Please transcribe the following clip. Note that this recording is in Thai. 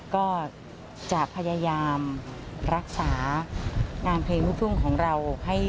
ก็จะพยายามรักษางานเพลงลูกทุ่งของเราให้